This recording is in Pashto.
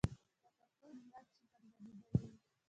لکه توند باد چي پر لګېدلی وي .